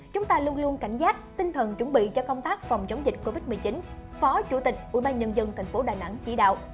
chúng ta luôn luôn cảnh giác tinh thần chuẩn bị cho công tác phòng chống dịch covid một mươi chín phó chủ tịch ubnd tp đà nẵng chỉ đạo